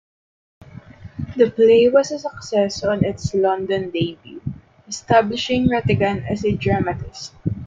The play was a success on its London debut, establishing Rattigan as a dramatist.